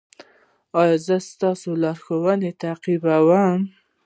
ایا زه ستاسو لارښوونې تعقیبوم؟